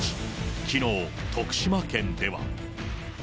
きのう、徳島県では。